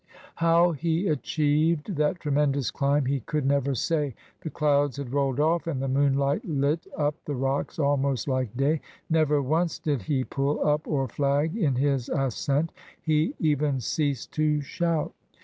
How he achieved that tremendous climb he could never say. The clouds had rolled off, and the moonlight lit up the rocks almost like day. Never once did he pull up or flag in his ascent. He even ceased to shout.